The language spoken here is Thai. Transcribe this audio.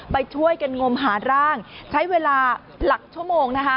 ไปช่วยกันงมหาร่างใช้เวลาหลักชั่วโมงนะคะ